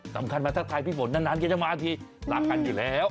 สำคัญมาทรัพย์คลายพี่ฝนนานเคยจังมาอันทีลากันอยู่แล้ว